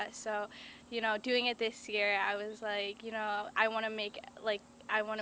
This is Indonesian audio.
jadi melakukannya tahun ini saya ingin membuat ibu saya bangga